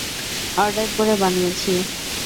Order করে বানিয়েছি।